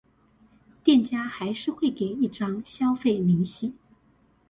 店家還是會給一張消費明細